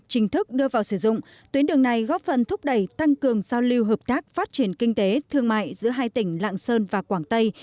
chính thức đưa vào sử dụng tuyến đường này góp phần thúc đẩy tăng cường giao lưu hợp tác phát triển kinh tế thương mại giữa hai tỉnh lạng sơn và quảng tây